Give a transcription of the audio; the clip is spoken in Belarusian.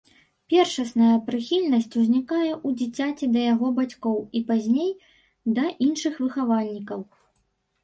Першасная прыхільнасць узнікае ў дзіцяці да яго бацькоў і, пазней, да іншых выхавальнікаў.